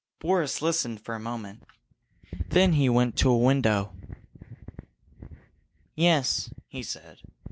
Boris listened for a moment, then he went to a window. "Yes," he said.